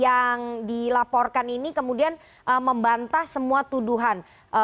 yang dilaporkan ini kemudian membantah semua tuduhan